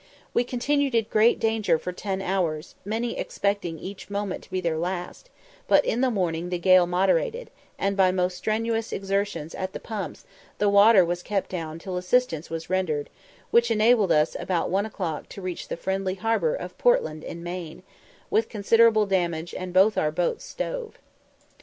We continued in great danger for ten hours, many expecting each moment to be their last, but in the morning the gale moderated, and by most strenuous exertions at the pumps the water was kept down till assistance was rendered, which enabled us about one o'clock to reach the friendly harbour of Portland in Maine, with considerable damage and both our boats stove.